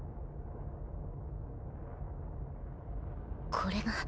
これが。